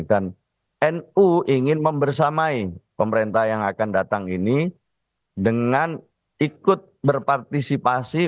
nu ingin membersamai pemerintah yang akan datang ini dengan ikut berpartisipasi